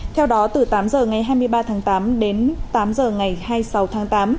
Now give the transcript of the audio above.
theo đó từ tám h ngày hai mươi ba tháng tám đến tám h ngày hai mươi sáu tháng tám